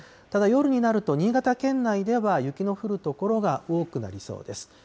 ただ、夜になると、新潟県内では雪の降る所が多くなりそうです。